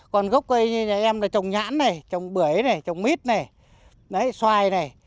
còn gốc cây nhà em là trồng nhãn này trồng bưởi này trồng mít này xoài này